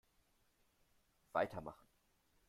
Weitermachen!